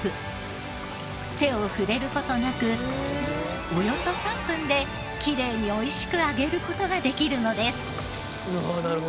手を触れる事なくおよそ３分できれいに美味しく揚げる事ができるのです。